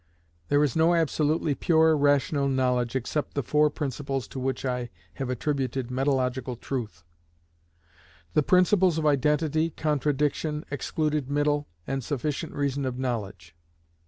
There is no absolutely pure rational knowledge except the four principles to which I have attributed metalogical truth; the principles of identity, contradiction, excluded middle, and sufficient reason of knowledge.